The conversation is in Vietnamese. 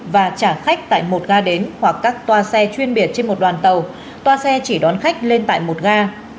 và trả khách tại một ga đến hoặc các toa xe chuyên biệt trên một đoàn tàu toa xe chỉ đón khách lên tại một ga